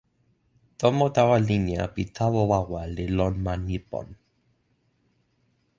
tomo tawa linja pi tawa wawa li lon ma Nipon.